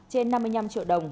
trên năm mươi năm triệu đồng